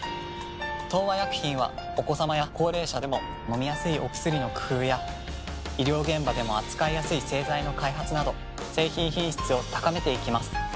東和薬品はお子さまや高齢者でも飲みやすいお薬の工夫や医療現場でも扱いやすい製剤の開発など製品品質を高めていきます。